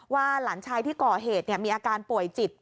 หลานชายที่ก่อเหตุมีอาการป่วยจิต